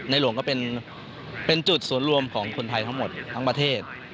หลวงก็เป็นจุดศูนย์รวมของคนไทยทั้งหมดทั้งประเทศ